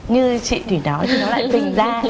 như chị thủy nói thì nó lại tinh ra